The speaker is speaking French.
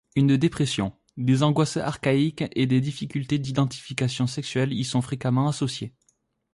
Une dépression, des angoisses archaïques et des difficultés d'identification sexuelle y sont fréquemment associées.